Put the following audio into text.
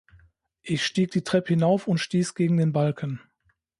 Ich stieg die Treppe hinauf und stieß gegen den Balken.